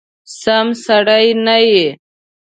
سم سړی نه یې !